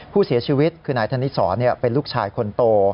ผู้เสียชีวิตคือนายธนิสรเป็นลูกชายคนโต